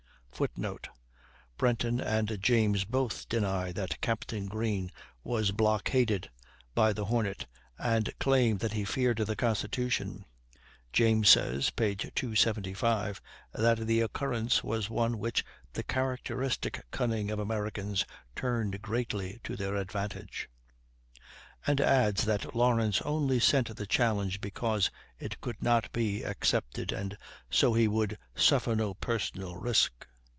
[Footnote: Brenton and James both deny that Captain Greene was blockaded by the Hornet, and claim that he feared the Constitution. James says (p. 275) that the occurrence was one which "the characteristic cunning of Americans turned greatly to their advantage"; and adds that Lawrence only sent the challenge because "it could not be accepted," and so he would "suffer no personal risk."